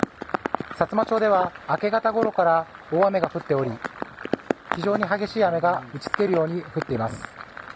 さつま町では、明け方ごろから大雨が降っており非常に激しい雨が打ち付けるように降っています。